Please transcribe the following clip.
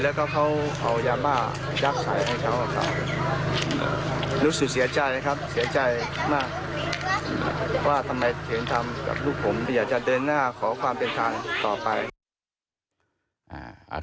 ว่าทำไมเถียงทำกับลูกผมอยากจะเดินหน้าขอความเป็นธรรมต่อไป